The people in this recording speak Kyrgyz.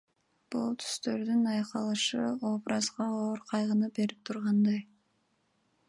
Бул түстөрдүн айкалышы образга оор кайгыны берип тургандай.